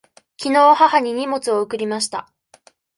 きのう母に荷物を送りました。